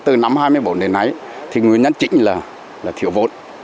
từ năm hai mươi bốn ngày nãy thì nguyên nhân chính là thiếu vốn